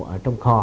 ở trong kho